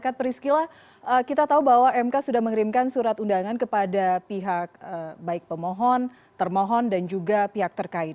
pak priscila kita tahu bahwa mk sudah mengirimkan surat undangan kepada pihak baik pemohon termohon dan juga pihak terkait